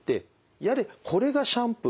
やれこれがシャンプー